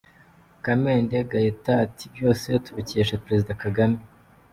Kamende Gaëtan ati “Byose tubikesha Perezida Kagame.